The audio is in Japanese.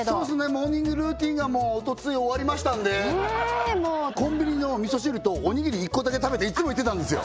モーニングルーティンがもうおとつい終わりましたんでコンビニの味噌汁とおにぎり１個だけ食べていつも行ってたんですよ